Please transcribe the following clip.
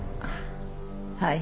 はい。